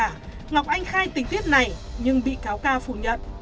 ông ca không trả ngọc anh khai tình tiết này nhưng bị cáo ca phủ nhận